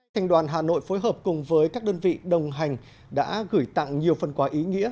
thành đoàn hà nội phối hợp cùng với các đơn vị đồng hành đã gửi tặng nhiều phần quà ý nghĩa